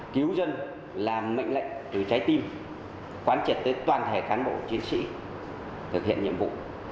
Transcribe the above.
cứu dân làm mệnh lệnh từ trái tim quan triệt tới toàn thể cán bộ chiến sĩ thực hiện nhiệm vụ